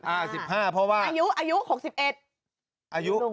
อ่าสิบห้าเพราะว่าอายุ๖๑